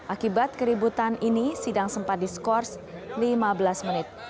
akibat keributan ini sidang sempat diskors lima belas menit